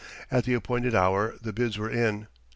At the appointed hour the bids were in.